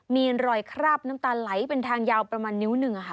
มีรอยคราบน้ำตาไหลเป็นทางยาวประมาณนิ้วหนึ่งค่ะ